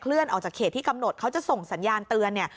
ออกจากเขตที่กำหนดเขาจะส่งสัญญาณเตือนเนี่ย